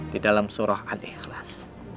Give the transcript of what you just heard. di dalam surah al ikhlas